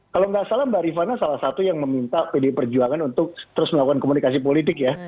kalau nggak salah mbak rifana salah satu yang meminta pdi perjuangan untuk terus melakukan komunikasi politik ya